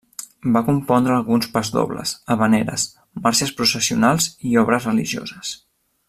Va compondre alguns pasdobles, havaneres, marxes processionals i obres religioses.